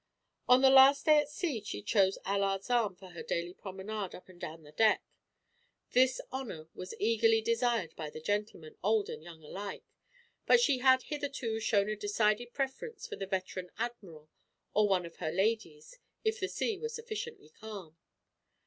On the last day at sea she chose Allard's arm for her daily promenade up and down the deck. This honor was eagerly desired by the gentlemen, old and young alike, but she had hitherto shown a decided preference for the veteran admiral; or one of her ladies, if the sea were sufficiently calm.